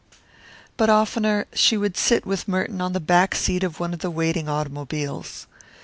But oftener she would sit with Merton on the back seat of one of the waiting automobiles.